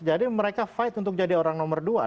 jadi mereka fight untuk jadi orang nomor dua